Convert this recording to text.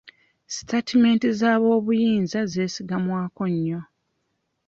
Sitatimenti z'aboobuyinza zeesigamwako nnyo.